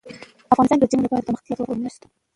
افغانستان کې د چرګانو لپاره دپرمختیا پروګرامونه شته.